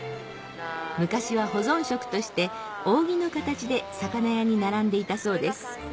昔は保存食として扇の形で魚屋に並んでいたそうです